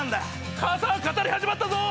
母さん、語り始まったぞ。